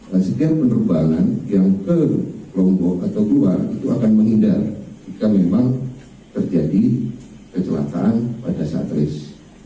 residen penerbangan yang ke lombok atau luar itu akan menghindar jika memang terjadi kecelakaan pada saat race